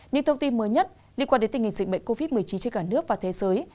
những thông tin mới nhất liên quan đến tình hình dịch bệnh covid một mươi chín trên cả nước và thế giới